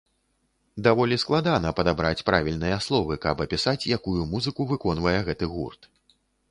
Даволі складана падабраць правільныя словы, каб апісаць, якую музыку выконвае гэты гурт.